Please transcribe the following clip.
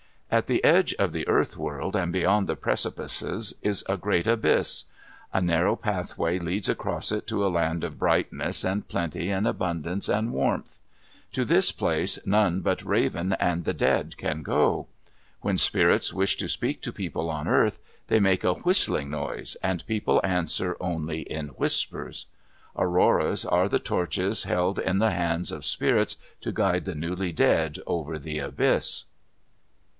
At the edge of the Earth World, and beyond the precipices, is a great abyss. A narrow pathway leads across it to a land of brightness and plenty and abundance and warmth. To this place none but Raven and the dead can go. When spirits wish to speak to people on earth, they make a whistling noise and people answer only in whispers. Auroras are the torches held in the hands of spirits to guide the newly dead over the abyss.